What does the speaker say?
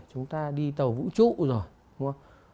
chúng ta đi tàu vũ trụ rồi đúng không